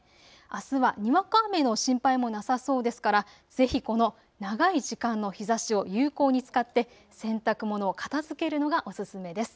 あすはにわか雨の心配もなさそうですから、ぜひこの長い時間の日ざしを有効に使って洗濯物を片づけるのがおすすめです。